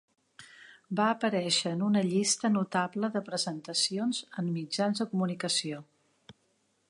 Va aparèixer en una llista notable de presentacions en mitjans de comunicació.